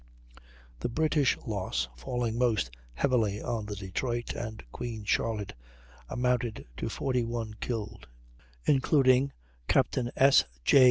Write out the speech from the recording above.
The British loss, falling most heavily on the Detroit and Queen Charlotte, amounted to 41 killed (including Capt. S. J.